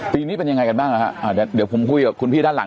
ปีนี้เป็นยังไงกันบ้างนะฮะอ่าเดี๋ยวผมคุยกับคุณพี่ด้านหลัง